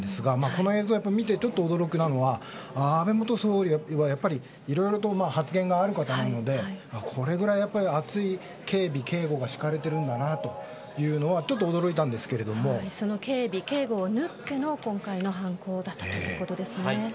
この映像を見てちょっと驚きなのは安倍元総理はやっぱりいろいろと発言がある方なのでこれぐらい厚い警備警護が敷かれているんだなとその警備、警護を縫っての今回の犯行だったということですね。